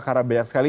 karena banyak sekali